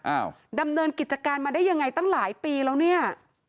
อ้าวดำเนินกิจการมาได้ยังไงตั้งหลายปีแล้วเนี่ย